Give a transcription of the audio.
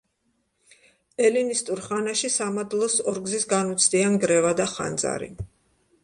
ელინისტურ ხანაში სამადლოს ორგზის განუცდია ნგრევა და ხანძარი.